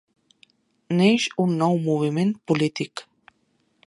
Neix un nou moviment polític